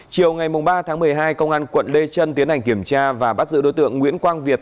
chiều ngày ba tháng một mươi hai công an quận lê trân tiến hành kiểm tra và bắt giữ đối tượng nguyễn quang việt